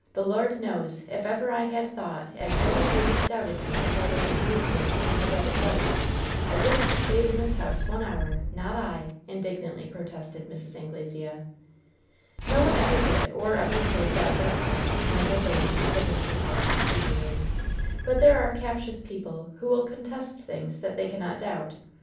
The Lord knows if ever I had thought as any of you misdoubted as I was Anglesea's lawful wedded wife, I wouldn't a stayed in this house one hour. Not 1 1" indignantly protested Mrs. Anglesea. "No one ever did or ever could doubt that fact, my good lady," said Mr. Force, soothingly; ^T)ut there are captious people who will contest things that they cannot doubt.